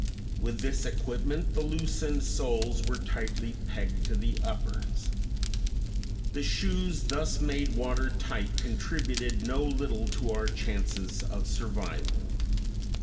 With this equipment the loosened soles were tightly pegged to the uppers. The shoes thus made water tight contributed no little to our chances of survival.